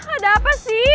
ada apa sih